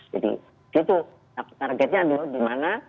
jadi itu targetnya adalah gimana